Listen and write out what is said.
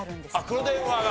黒電話が。